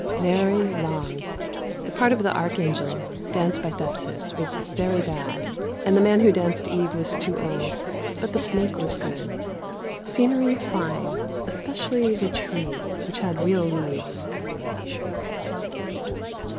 Very long. The part of the Archangel, danced by Thepsis, was very bad, and the man who danced Eve was too old; but the snake was good. Scenery fine, especially the tree (which had real leaves).